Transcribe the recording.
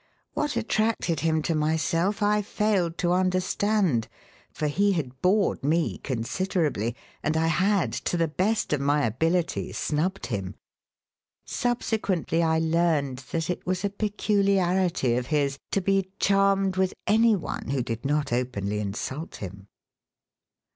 What attracted him to myself I failed to understand, for he had bored me considerably, and I had, to the best of my ability, snubbed him. Subsequently I learned that it was a peculiarity of his to be charmed with anyone who did not openly insult him.